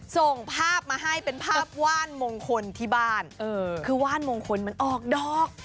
ส่งภาพมาให้เป็นภาพว่านมงคลที่บ้านคือว่านมงคลมันออกดอก